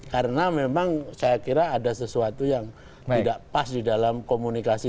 karena memang saya kira ada sesuatu yang tidak pas di dalam komunikasi